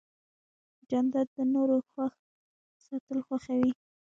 جانداد د نورو خوښ ساتل خوښوي.